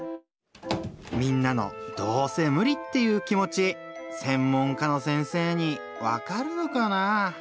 みんなの「どうせ無理」っていう気持ち専門家の先生にわかるのかなぁ？